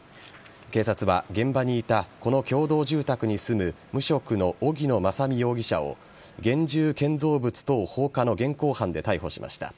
警察は、現場にいたこの共同住宅に住む無職の荻野正美容疑者を現住建造物等放火の現行犯で逮捕しました。